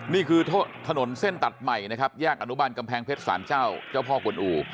นี่คือถนนเส้นตัดใหม่นะครับแยกอนุบันกำแพงเพชรสารเจ้าเจ้าพ่อกวนอู